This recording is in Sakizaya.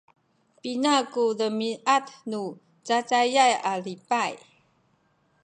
pina ku demiad nu cacayay a lipay?